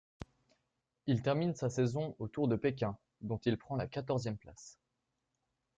Il termine sa saison au Tour de Pékin, dont il prend la quatorzième place.